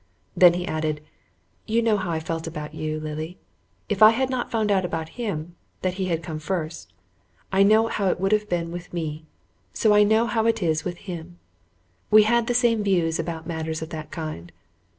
Then he added: "You know how I felt about you. Lily. If I had not found out about him, that he had come first, I know how it would have been with me, so I know how it is with him. We had the same views about matters of that kind.